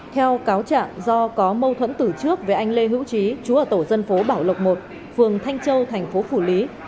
theo cáo trạng do có mâu thuẫn tử trước với anh lê hữu trí chú ở tổ dân phố bảo lộc một phường thanh châu thành phố phủ lý